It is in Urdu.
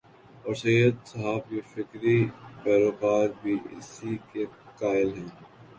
اورسید صاحب کے فکری پیرو کار بھی اسی کے قائل ہیں۔